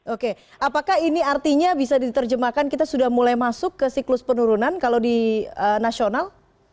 oke apakah ini artinya bisa diterjemahkan kita sudah mulai masuk ke siklus penurunan kalau di nasional